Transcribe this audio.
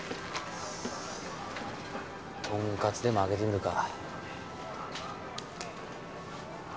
とんかつでも揚げてみるか。